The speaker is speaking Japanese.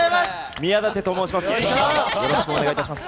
宮舘と申します。